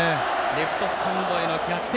レフトスタンドへの逆転